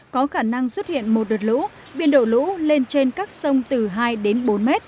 có khả năng xuất hiện một đợt lũ biên độ lũ lên trên các sông từ hai đến bốn m